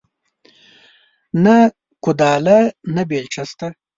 نه کوداله نه بيلچه شته